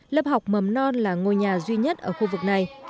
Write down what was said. lớp học mầm non là ngôi nhà duy nhất ở khu vực này